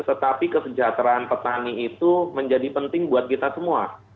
tetapi kesejahteraan petani itu menjadi penting buat kita semua